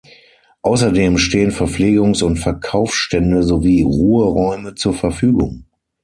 Außerdem stehen Verpflegungs- und Verkaufsstände sowie Ruheräume zur Verfügung.